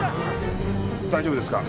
大丈夫ですか？